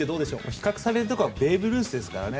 比較されるところがベーブ・ルースですからね。